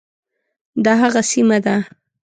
دا هغه سیمه ده.